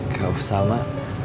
gak usah mak